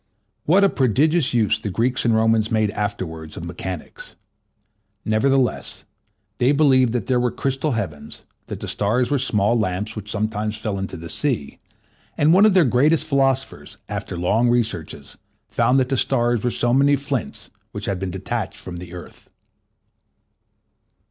What a prodigious use the Greeks and Romans made afterwards of mechanics! Nevertheless, they believed that there were crystal heavens, that the stars were small lamps which sometimes fell into the sea, and one of their greatest philosophers, after long researches, found that the stars were so many flints which had been detached from the earth.